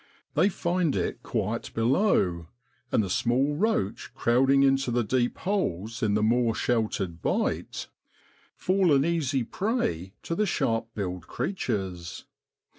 They find it quiet below ; and the small roach, crowding into the deep holes in the more sheltered THE SILENT HIGHWAY. 4 bight,' fall an easy prey to the sharp billed creatures.